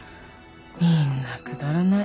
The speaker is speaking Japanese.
みんなくだらない。